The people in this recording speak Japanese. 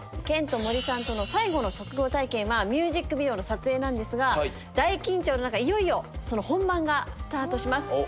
ケント・モリさんとの最後の職業体験はミュージックビデオの撮影なんですが大緊張の中いよいよその本番がスタートします。